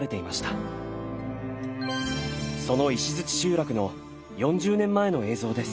その石集落の４０年前の映像です。